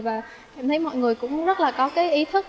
và cảm thấy mọi người cũng rất là có cái ý thức